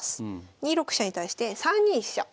２六飛車に対して３二飛車。